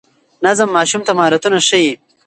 نظم ماشوم ته مهارتونه ښيي.